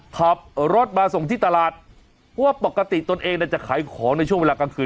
ขับรถมาส่งที่ตลาดว่าปกติตนเองจะขายของในช่วงเวลากลางคืน